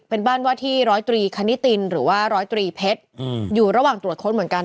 เป็นบ้านว่าที่ร้อยตรีคณิตินหรือว่าร้อยตรีเพชรอยู่ระหว่างตรวจค้นเหมือนกัน